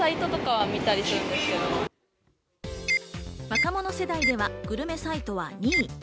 若者世代ではグルメサイトは２位。